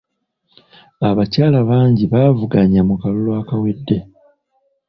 Abakyala bangi baavuganya mu kalulu ekawedde.